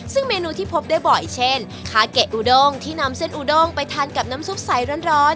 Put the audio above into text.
ซึ่งเมนูที่พบได้บ่อยเช่นคาเกะอุดงที่นำเส้นอูด้งไปทานกับน้ำซุปใสร้อน